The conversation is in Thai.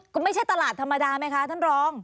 คุณไม่ใช่ตลาดธรรมดาไหมคะท่านรอง